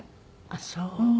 あっそう。